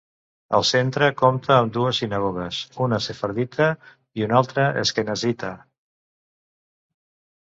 El centre compta amb dues sinagogues, una sefardita i una altra asquenazita.